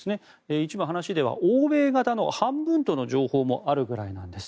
一部の話では欧米型の半分との情報もあるぐらいです。